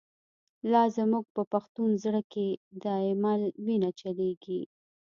لاز موږ په پښتون زړه کی، ”دایمل” وینه چلیږی